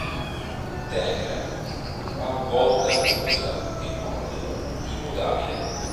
Tenera, a volte acquosa e molle, immutabile.